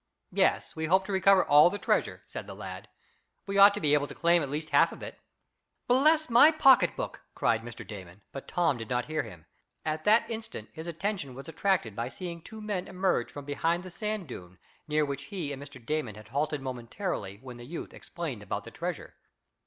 "Yes, we hope to recover all the treasure," said the lad. "We ought to be able to claim at least half of it." "Bless my pocketbook!" cried Mr. Damon, but Tom did not hear him. At that instant his attention was attracted by seeing two men emerge from behind the sand dune near which he and Mr. Damon had halted momentarily, when the youth explained about the treasure.